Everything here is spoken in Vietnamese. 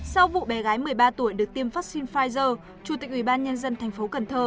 sau vụ bé gái một mươi ba tuổi được tiêm vaccine pfizer chủ tịch ủy ban nhân dân thành phố cần thơ